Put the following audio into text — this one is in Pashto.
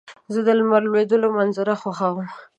زه د لمر لوېدو منظر خوښوم.